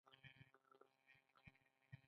افغانان د اختر ورځو ته خوشحالیږي.